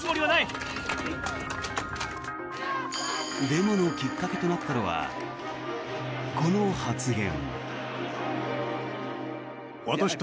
デモのきっかけとなったのはこの発言。